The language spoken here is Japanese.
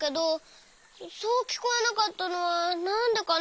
そうきこえなかったのはなんでかな？